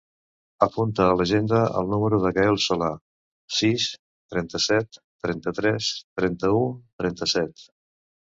Apunta a l'agenda el número del Gael Sola: sis, trenta-set, trenta-tres, trenta-u, trenta-set.